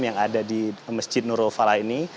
yang ada di masjid nurul fala ini